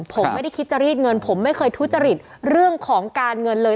ผมไม่ได้คิดจะรีดเงินผมไม่เคยทุจริตเรื่องของการเงินเลย